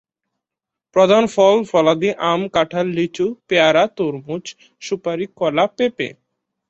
প্রধান ফল-ফলাদি আম, কাঁঠাল, লিচু, পেয়ারা, তরমুজ, সুপারি, কলা, পেঁপে।